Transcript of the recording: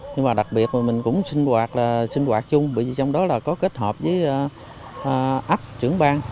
nhưng mà đặc biệt là mình cũng sinh hoạt là sinh hoạt chung bởi vì trong đó là có kết hợp với ấp trưởng bang